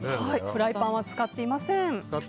フライパンは使っていません。